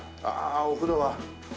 ああお風呂は。